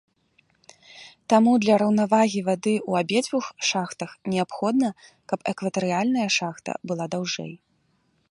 Таму для раўнавагі вады ў абедзвюх шахтах неабходна, каб экватарыяльная шахта была даўжэй.